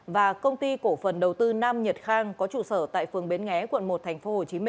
và công ty cổ phần đầu tư nam nhật khang có trụ sở tại phường bến nghé quận một tp hcm